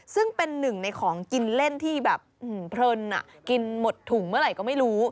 ซึ่งเป็นหนึ่งในของกินเล่นที่แบบเพลินกินหมดถุงเมื่อไหร่ก็ไม่รู้